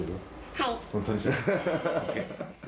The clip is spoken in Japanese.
はい。